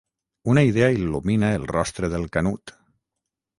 Una idea il·lumina el rostre del Canut.